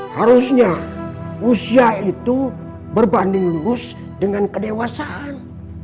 harusnya usia itu berbanding lurus dengan kedewasaan